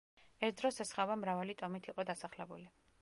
ერთ დროს ეს ხეობა მრავალი ტომით იყო დასახლებული.